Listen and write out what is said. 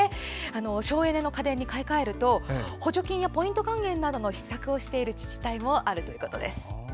省エネの家電に買い替えると補助金やポイント還元などの施策をしている自治体もあるということです。